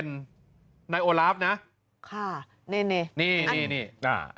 น้าโตราวร์เนียะค่ะนี่นี้นี่นี่